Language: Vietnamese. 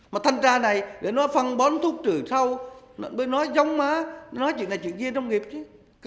mà thanh tra này để nó phân bón thuốc trừ sau nó mới nói giống mà nó nói chuyện này chuyện gì nông nghiệp chứ